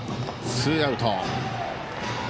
ツーアウト。